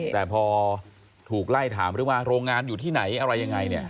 แต่พอถูกไล่ถามว่าโรงงานอยู่ที่ไหนอะไรยังไง